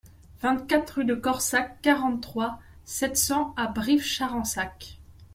vingt-quatre rue de Corsac, quarante-trois, sept cents à Brives-Charensac